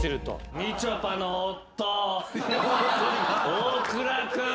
大倉君！